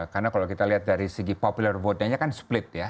karena kalau kita lihat dari segi popular vote nya kan split ya